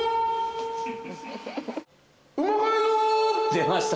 ・出ました。